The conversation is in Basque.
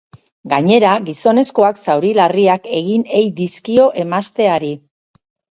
Gainera, gizonezkoak zauri larriak egin ei dizkio emazteari.